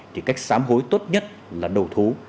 thì cách xám hối tốt nhất là đầu thú